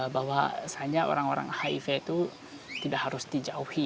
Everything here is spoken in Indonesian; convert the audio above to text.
bahwa hanya orang orang hiv itu tidak harus dijauhi